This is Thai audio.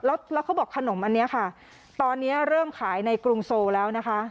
แล้วเขาบอกขนมอันนี้ค่ะตอนนี้เริ่มขายในกรุงโซลแล้วนะคะ